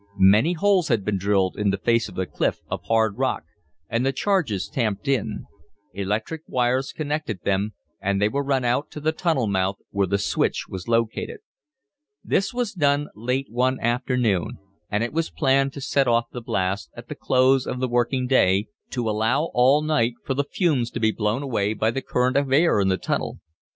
Many holes had been drilled in the face of the cliff of hard rock, and the charges tamped in. Electric wires connected them, and they were run out to the tunnel mouth where the switch was located. This was done late one afternoon, and it was planned to set off the blast at the close of the working day, to allow all night for the fumes to be blown away by the current of air in the tunnel.